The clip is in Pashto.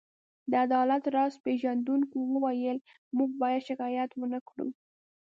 د عدالت راز پيژندونکو وویل: موږ باید شکایت ونه کړو.